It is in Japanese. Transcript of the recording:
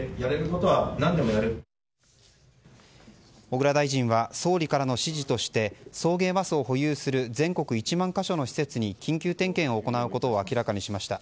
小倉大臣は総理からの指示として送迎バスを保有する全国１万か所の施設に緊急点検を行うことを明らかにしました。